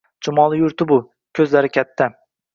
Chumoli yurti bu, ko‘zlari katta